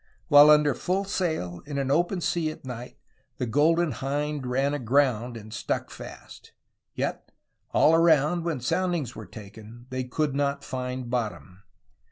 While under full sail in an open sea at night, the Golden Hind ran aground and stuck fast. Yet, all around, when soundings were taken, they could not find bottom.